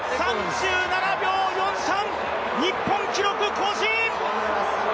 ３７秒４３、日本記録更新！